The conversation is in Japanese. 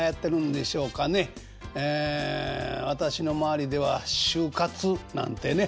え私の周りでは「終活」なんてね。